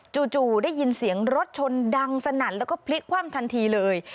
จู่ได้ยินเสียงรถชนดังสนั่นแล้วก็พลิกคว่ำทันทีเลย